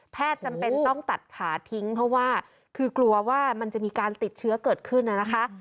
จำเป็นต้องตัดขาทิ้งเพราะว่าคือกลัวว่ามันจะมีการติดเชื้อเกิดขึ้นน่ะนะคะ